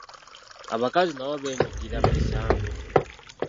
Abakazi nabo beenyigira emisango.